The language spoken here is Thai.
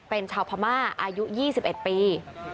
เป็นเข้าผัมมาอายุ๒๑ปี